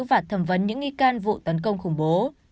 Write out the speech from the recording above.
và thẩm vấn những nghi can vụ tấn công khủng bố